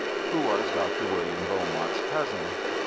who was Dr. William Beaumont's cousin.